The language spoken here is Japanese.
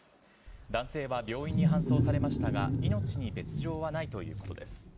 男性は病院に搬送されましたが、命に別状はないということです。